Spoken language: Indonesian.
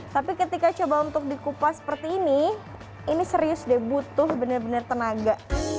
tapi ketika coba untuk dikupas seperti ini ini serius deh butuh benar benar tenaga